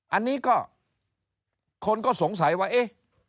อันนี้ก็คนก็สงสัยว่าเอ๊ะ